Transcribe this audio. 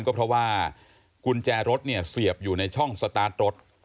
ก็เพราะว่ากุญแจรถเนี่ยเสียบอยู่ในช่องสตาร์ทรถ